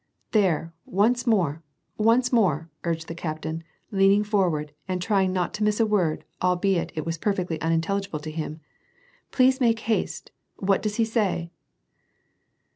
" There, once more, once more," urged the captain, leaning forward and trying not to miss a word, albeit it was perfectly unintelligible to him !" Please make haste ! What does he say